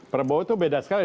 prabowo itu beda sekali